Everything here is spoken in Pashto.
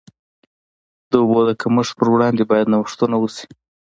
د اوبو د کمښت پر وړاندې باید نوښتونه وشي.